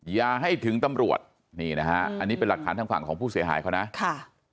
อย่าให้ถึงตำรวจนี่นะฮะอันนี้เป็นหลักฐานทางฝั่งของผู้เสียหายเขานะค่ะ